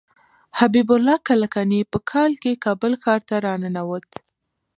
حبیب الله کلکاني په کال کې کابل ښار ته راننوت.